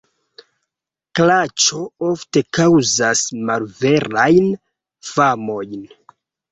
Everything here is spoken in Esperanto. Klaĉo ofte kaŭzas malverajn famojn.